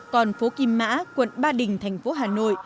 còn phố kim mã quận ba đình thành phố hà nội